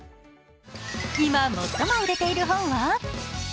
今、最も売れている本は？